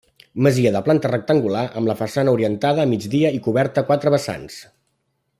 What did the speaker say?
Masia de planta rectangular amb la façana orientada a migdia i coberta a quatre vessants.